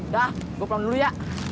dah gue pulang dulu ya